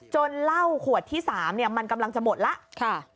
จนเล่าขวดที่สามมันกำลังจะหมดแล้ว